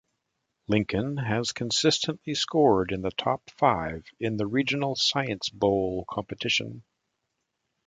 Lincoln has consistently scored in the top five in the Regional Science Bowl competition.